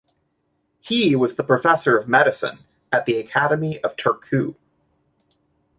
He was the professor of medicine at the Academy of Turku.